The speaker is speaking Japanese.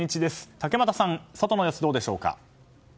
竹俣さん、外の様子はどうでしょうか。